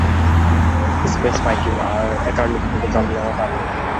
Space viking আর eternity থেকে জন্ম নেয়া তার মেয়ে।